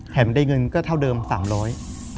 ได้เงินก็เท่าเดิม๓๐๐บาท